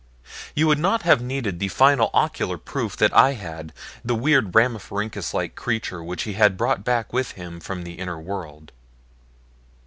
You would not have needed the final ocular proof that I had the weird rhamphorhynchus like creature which he had brought back with him from the inner world.